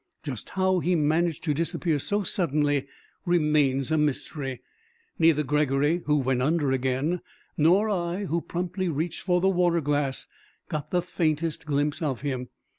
Just how he managed to disappear so suddenly remains a mystery; neither Gregory, who went under again, nor I, who promptly reached for the water glass, got the faintest glimpse of him.